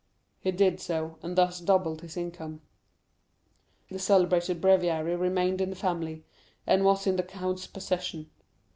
He did so, and thus doubled his income. The celebrated breviary remained in the family, and was in the count's possession.